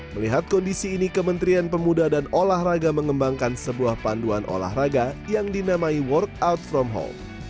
melihat kondisi ini kementerian pemuda dan olahraga mengembangkan sebuah panduan olahraga yang dinamai workout from home